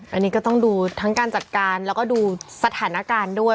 อันนี้ก็ต้องดูทั้งการจัดการแล้วก็ดูสถานการณ์ด้วย